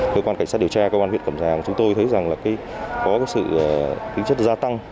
cơ quan cảnh sát điều tra cơ quan huyện cầm giang chúng tôi thấy rằng là có sự tính chất gia tăng